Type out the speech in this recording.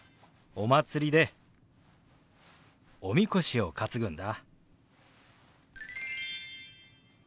お祭りでおみこしを担ぐんだ。